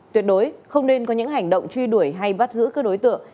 tuyệt đối không nên có những hành động truy đuổi hay bắt giữ các đối tượng